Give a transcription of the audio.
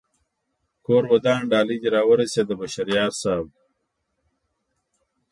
کور ودان ډالۍ دې را و رسېده بشر یار صاحب